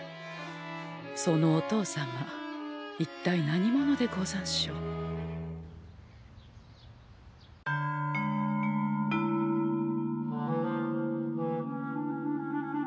そのお父様一体何者でござんしょう？はあ。